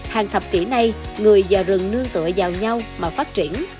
hàng thập kỷ nay người và rừng nương tựa vào nhau mà phát triển